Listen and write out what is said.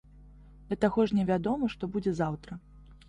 Да таго ж невядома, што будзе заўтра.